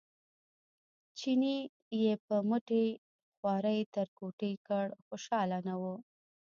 چیني یې په مټې خوارۍ تر کوټې کړ خوشاله نه و.